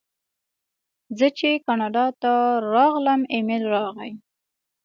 زه چې کاناډا ته راغلم ایمېل راغی.